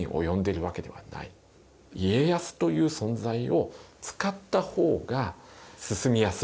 家康という存在を使った方が進みやすいと。